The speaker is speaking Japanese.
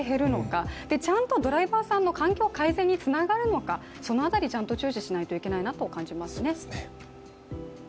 そしてちゃんとドライバーさんの環境改善につながるのかその辺り、ちゃんと注視しないといけないなと感じますね。